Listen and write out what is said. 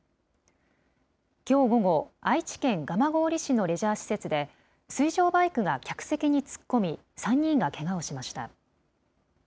きょう午後、愛知県蒲郡市のレジャー施設で、水上バイクが客席に突っ込み、３人がけがをしました。